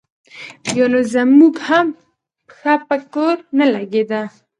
بیا نو زموږ هم پښه په کور نه لګېده.